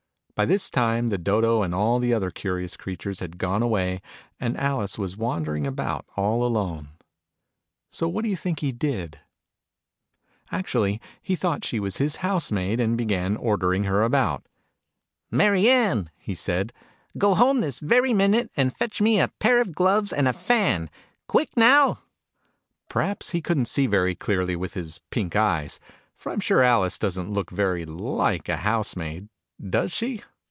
By this time the Dodo and all the other curious creatures had gone away, and Alice was wandering about all alone. So what do you think he did ? Actually he thought she was his housemaid, and began D Digitized by Google 1 8 THE NURSERY "ALICE." ordering her about !" Mary Ann !" he said. " Go home this very minute, and fetch me a pair of gloves and a fan ! Quick, now !" Perhaps he couldn't see very clearly with his pink eyes : for I'm sure Alice doesn't look very like a housemaid, does she